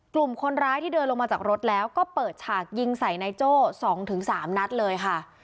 กลุ่มคนร้ายที่เดินลงมาจากรถแล้วก็เปิดฉากยิงใส่นายโจ้๒๓นัดเลยค่ะ